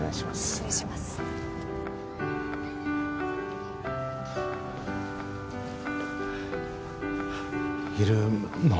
失礼しますいるの？